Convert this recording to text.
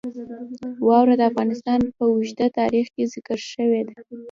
واوره د افغانستان په اوږده تاریخ کې ذکر شوې ده.